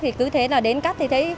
thì cứ thế là đến cắt thì thấy